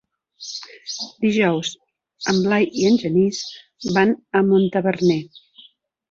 Dijous en Blai i en Genís van a Montaverner.